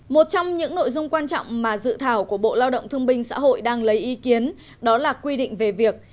một trong những nội dung quan trọng mà dự thảo của bộ lao động thương binh xã hội đang lấy ý kiến đó là quy định về việc